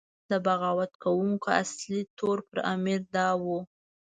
د بغاوت کوونکو اصلي تور پر امیر دا و.